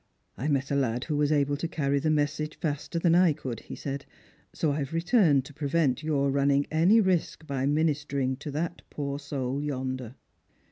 " I met a lad who was able to carry the message faster than I could," he said, " so I have returned to prevent your running any risk by ministering to that poor soul yonder."